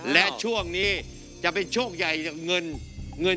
และช่วงนี้จะเป็นโชคใหญ่เงินเงิน